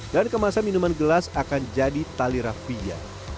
dan kemasan minuman gelas akan jadi tali rafia